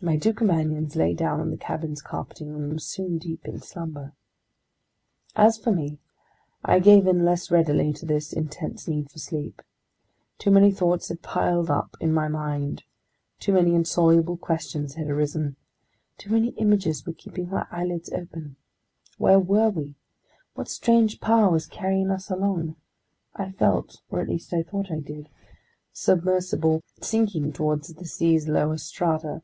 My two companions lay down on the cabin's carpeting and were soon deep in slumber. As for me, I gave in less readily to this intense need for sleep. Too many thoughts had piled up in my mind, too many insoluble questions had arisen, too many images were keeping my eyelids open! Where were we? What strange power was carrying us along? I felt—or at least I thought I did—the submersible sinking toward the sea's lower strata.